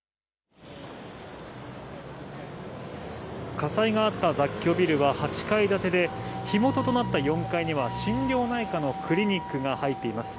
火災があったビルは８階建てで、火元となった４階には心療内科のクリニックが入っています。